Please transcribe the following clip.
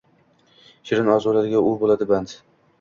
Shirin orzularga u bo’ladi band.